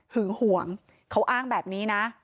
ห่วงเขาอ้างแบบนี้นะ